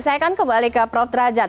saya akan kembali ke prof derajat